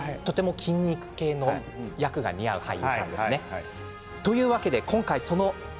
筋肉系の役が似合う俳優さんです。